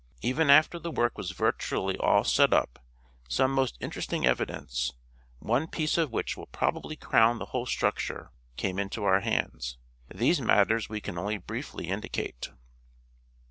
Even after the work was virtually all set up some most interesting evidence, one piece of which will probably crown the whole structure, came into our hands. These matters we can only briefly indicate.